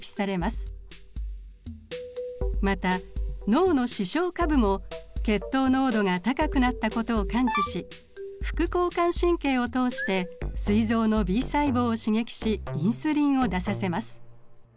また脳の視床下部も血糖濃度が高くなったことを感知し副交感神経を通してすい臓のＢ細胞を刺激しインスリンを出させます。